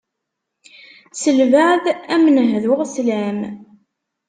S lbeɛd am n-hduɣ slam.